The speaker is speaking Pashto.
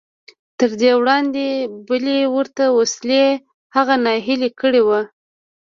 تر دې وړاندې بلې ورته وسیلې هغه ناهیلی کړی و